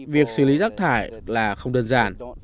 việc xử lý rác thải là không đơn giản